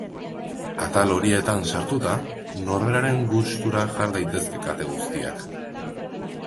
Atal horietan sartuta, norberaren gustura jar daitezke kate guztiak.